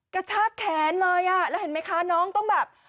กระชากแขนเลยอ่ะแล้วเห็นไหมคะน้องต้องแบบ